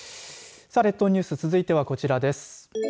列島ニュース続いてはこちらです。